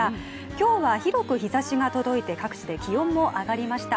今日は広く日ざしが届いて各地で気温も上がりました。